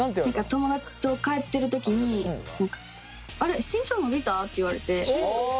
友達と帰ってる時に「あれ？身長伸びた？」って言われて。